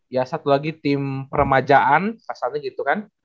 ya satu lagi tim peremajaan kasarnya gitu kan